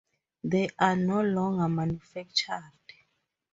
They are no longer manufactured.